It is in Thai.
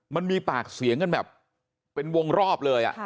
มันมีปากเสียงกันแบบ